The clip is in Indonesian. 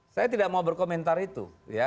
saya tidak mau berkomentar itu